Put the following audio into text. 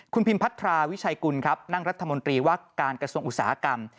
คุณพิมพัทราวิชัยกุลครับนั่งรัฐมนตรีว่าการกระทรวงอุตสาหกรรม